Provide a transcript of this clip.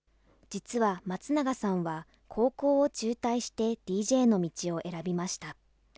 実は松永さんは、高校を中退してＤＪの道を選びました。